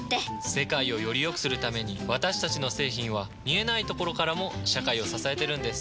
世界をよりよくするために私たちの製品は見えないところからも社会を支えてるんです。